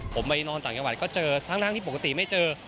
ผมไปนอนต่างจังหวัดก็เจอทั้งที่ปกติไม่เจอ